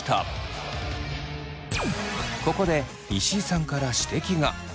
ここで石井さんから指摘が。